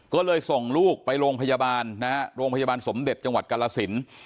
ก็เลยส่งลูกไปโรงพยาบาลนะฮะโรงพยาบาลสมเด็จจังหวัดกรสิน